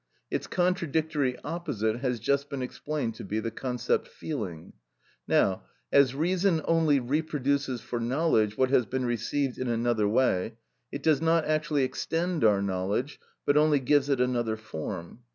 Its contradictory opposite has just been explained to be the concept "feeling." Now, as reason only reproduces, for knowledge, what has been received in another way, it does not actually extend our knowledge, but only gives it another form.